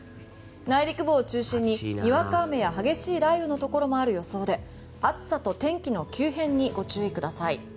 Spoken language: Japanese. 内陸部を中心ににわか雨や激しい雷雨のところもある予想で暑さと天気の急変にご注意ください。